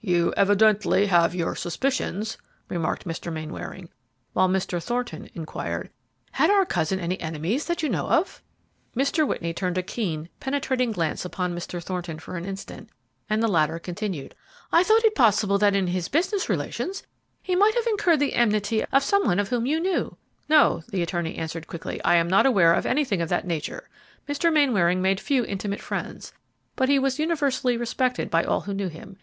"You evidently have your suspicions," remarked Mr. Mainwaring, while Mr. Thornton inquired, "Had our cousin any enemies that you know of?" Mr. Whitney turned a keen, penetrating glance upon Mr. Thornton for an instant, and the latter continued, "I thought it possible that in his business relations he might have incurred the enmity of some one of whom you knew." "No," the attorney answered, quickly, "I am not aware of anything of that nature. Mr. Mainwaring made few intimate friends, but he was universally respected by all who knew him.